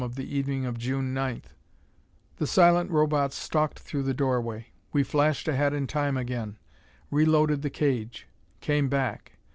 of the evening of June 9 the silent Robots stalked through the doorway. We flashed ahead in Time again; reloaded the cage; came back.